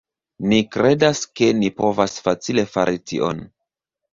Ni kredas, ke ni povas facile fari tion